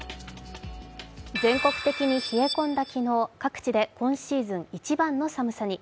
全国的に冷え込んだ昨日、各地で今シーズン一番の寒さに。